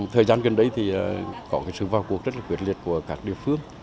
thời gian gần đây thì có cái sự vào cuộc rất là quyệt liệt của các địa phương